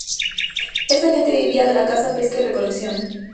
Esta gente vivía de la caza, pesca y recolección.